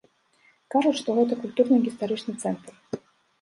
Кажуць, што гэта культурна-гістарычны цэнтр.